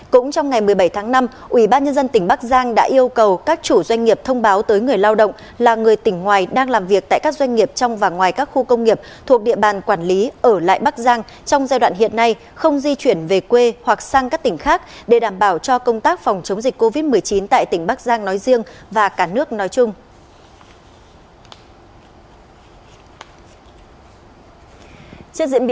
cũng trong ngày một mươi bảy tháng năm ủy ban nhân dân tỉnh bắc giang đã yêu cầu các chủ doanh nghiệp thông báo tới người lao động là người tỉnh ngoài đang làm việc tại các doanh nghiệp trong và ngoài các khu công nghiệp thuộc địa bàn quản lý ở lại bắc giang trong giai đoạn hiện nay không di chuyển về quê hoặc sang các tỉnh khác để đảm bảo cho công tác phòng chống dịch covid một mươi chín tại tỉnh bắc giang nói riêng và cả nước nói chung